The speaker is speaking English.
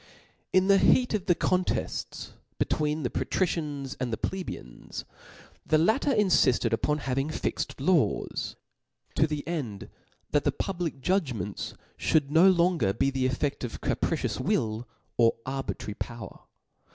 Book ¥ N |hc heat of the contefts between the patrici^ Cbap/j5. ans and the plebeians, the latter infifted upon having fixt laws,' to the end that the public judg ments (hould no longer be the effed of capricious will or arbitrary power.